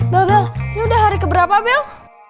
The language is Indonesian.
bel bel ini udah hari keberapa bel